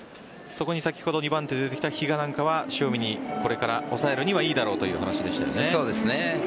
そこに先ほど２番手で出てきた比嘉は塩見に、これから抑えるにはいいだろうという話でしたよね。